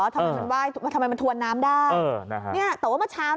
ทำไมเธอถทำไมเป็นถวนน้ำได้เนี่ยแต่ว่าเมื่อเช้า